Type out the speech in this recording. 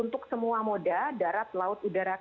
nya kendaraan delaman